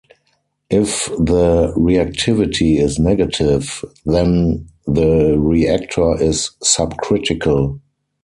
If the reactivity is negative - then the reactor is subcritical.